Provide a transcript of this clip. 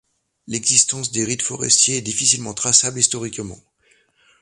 L'existence des rites forestiers est difficilement traçable historiquement.